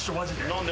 何で？